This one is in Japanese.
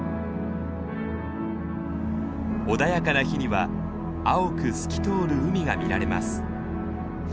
穏やかな日には青く透き通る海が見られます。